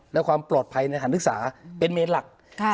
และความปลอดภัยในฐานศึกษาเป็นเมนหลัก